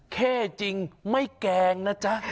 เข้จริงไม่แกล้งนะจ๊ะ